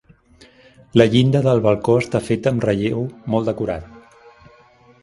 La llinda del balcó està feta amb relleu molt decorat.